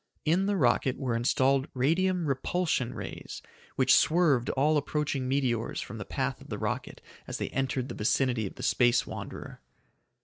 In the rocket were installed radium repulsion rays which swerved all approaching meteors from the path of the rocket as they entered the vicinity of the space wanderer.